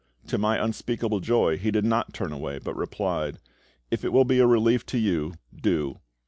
To my unspeakable joy he did not turn away, but replied, "If it will be a relief to you, do."